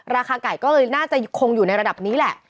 ราคาไก่ก็เลยน่าจะคงอยู่ในระดับนี้แหละ